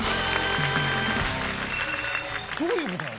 どういうことなの？